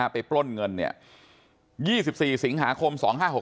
ปล้นเงิน๒๔สิงหาคม๒๕๖๖